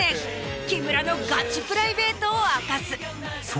木村のガチプライベートを明かす。